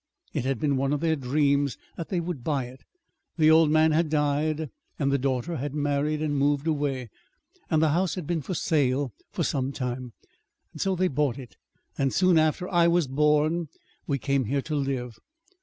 It had been one of their dreams that they would buy it. The old man had died, and the daughter had married and moved away, and the house had been for sale for some time. So they bought it, and soon after I was born we came here to live.